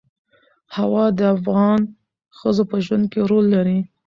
هوا د افغان ښځو په ژوند کې رول لري.